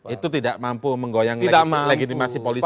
itu tidak mampu menggoyang legitimasi polisi